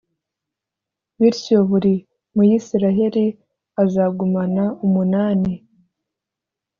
bityo buri muyisraheli azagumana umunani